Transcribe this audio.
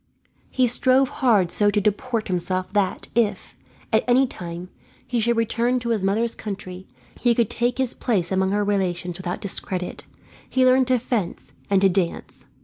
He strove hard so to deport himself that if, at any time, he should return to his mother's country, he could take his place among her relations without discredit. He learned to fence, and to dance.